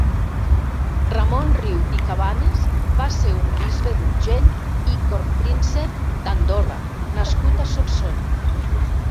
Ramon Riu i Cabanes va ser un bisbe d'Urgell i corpíncep d'Andorra nascut a Solsona.